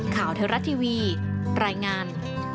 เทวรัฐทีวีรายงาน